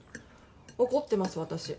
怒ってます私。